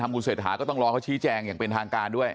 ตรงกฏเขาชี้แจงอย่างเป็นทางการด้วย